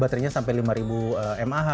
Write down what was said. baterainya sampai lima mah